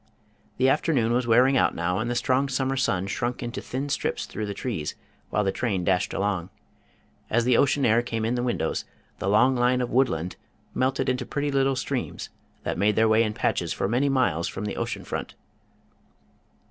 The afternoon was wearing out now, and the strong summer sun shrunk into thin strips through the trees, while the train dashed along. As the ocean air came in the windows, the long line of woodland melted into pretty little streams, that make their way in patches for many miles from the ocean front.